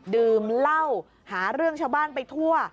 ดื่มเหล้าหาเรื่องชาวบ้านไปทั่ว